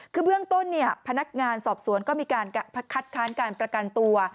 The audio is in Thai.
คือเบื้องต้นพนักงานสอบสวนก็มีการคัดค้านการประกันตัว